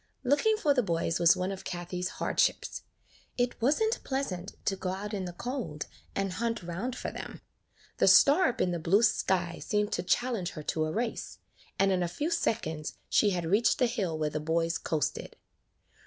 Looking for the boys was one of Kathie's hardships. It was n't pleasant to go out in the cold and hunt round for them; the star up in the blue sky seemed to challenge her to a race, and in a few seconds she had reached the hill where the boys coasted.